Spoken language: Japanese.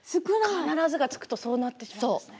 「必ず」が付くとそうなってしまうんですね。